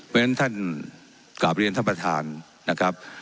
เพราะฉะนั้นท่านกลับเรียนท่านประธานนะครับ